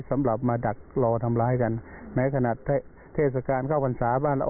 สำหรับมาดักรอทำร้ายกันแม้ขนาดเทศกาลเข้าพรรษาบ้านออก